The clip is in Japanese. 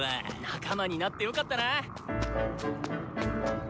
仲間になってよかったな。